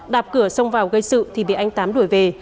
đạp cửa xông vào gây sự thì bị anh tám đuổi về